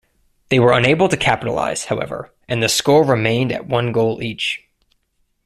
They were unable to capitalise, however, and the score remained at one goal each.